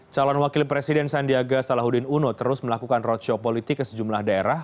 calon wakil presiden sandiaga salahuddin uno terus melakukan roadshop politik ke sejumlah daerah